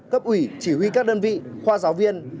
cấp ủy chỉ huy các đơn vị khoa giáo viên